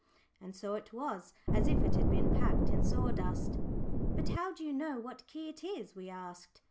and so it was, as if it had been packed in sawdust. "But how do you know what key it is?" we asked.